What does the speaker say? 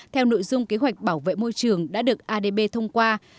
theo nội dung kế hoạch bảo vệ môi trường đã được adb thông qua